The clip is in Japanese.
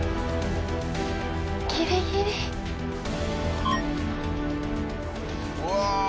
ギリギリ。うわ！